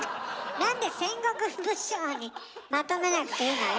なんで戦国武将にまとめなくていいのよ？